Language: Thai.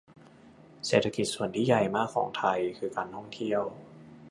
เศรษฐกิจส่วนที่ใหญ่มากของไทย คือการท่องเที่ยว